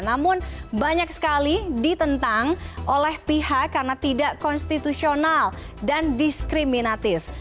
namun banyak sekali ditentang oleh pihak karena tidak konstitusional dan diskriminatif